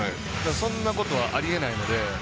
そんなことはありえないので。